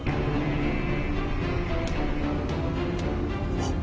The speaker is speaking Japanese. おっ。